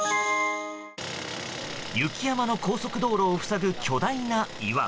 雪山の高速道路を塞ぐ巨大な岩。